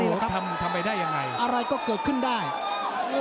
โอ้โหโอ้โหโอ้โหโอ้โหโอ้โห